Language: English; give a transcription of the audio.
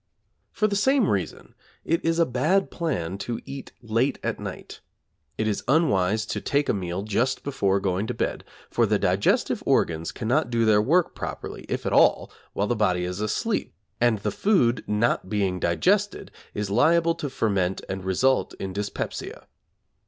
For the same reason it is a bad plan to eat late at night. It is unwise to take a meal just before going to bed, for the digestive organs cannot do their work properly, if at all, while the body is asleep, and the food not being digested is liable to ferment and result in dyspepsia.